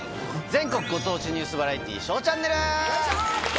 全国ご当地ニュースバラエティー『ＳＨＯＷチャンネル』！